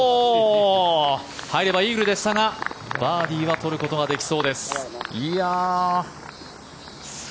入ればイーグルでしたがバーディーは取ることができそうです。